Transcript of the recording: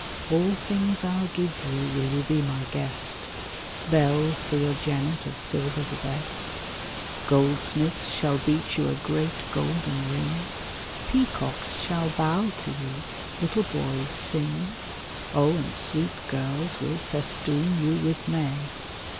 All things I'll give you Will you be my guest, Bells for your jennet Of silver the best, Goldsmiths shall beat you A great golden ring, Peacocks shall bow to you, Little boys sing, Oh, and sweet girls will Festoon you with may.